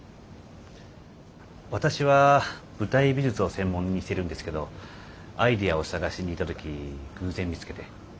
私は舞台美術を専門にしてるんですけどアイデアを探しに行った時偶然見つけて。